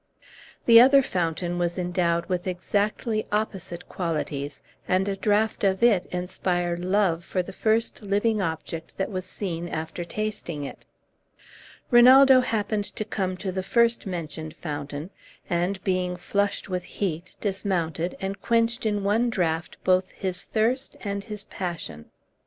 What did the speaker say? The other fountain was endowed with exactly opposite qualities, and a draught of it inspired love for the first living object that was seen after tasting it. Rinaldo happened to come to the first mentioned fountain, and, being flushed with heat, dismounted, and quenched in one draught both his thirst and his passion.